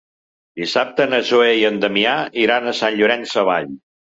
Dissabte na Zoè i en Damià iran a Sant Llorenç Savall.